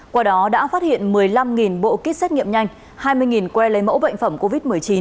qua đó đã phát hiện một mươi năm bộ kit xét nghiệm nhanh hai mươi que lấy mẫu bệnh phẩm covid một mươi chín